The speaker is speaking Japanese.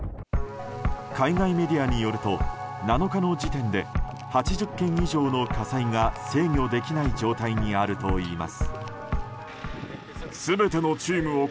海外メディアによると７日の時点で８０件以上の火災が制御できない状態にあるといいます。